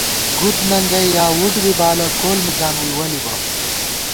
گُدننگئ یا وُٹ بی بالہ، کول مِزان ووئی وَلِبہ